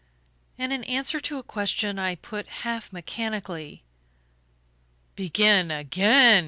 And, in answer to a question I put half mechanically "Begin again?"